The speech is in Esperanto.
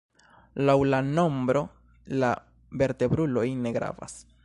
Laŭ la nombro la vertebruloj ne gravas.